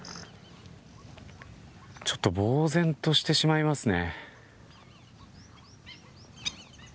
ちょっと呆然としてしまいますね。